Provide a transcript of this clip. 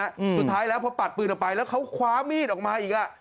สุดท้ายแล้วพอปัดปืนออกไปแล้วเขาคว้ามีดออกมาอีกอ่ะ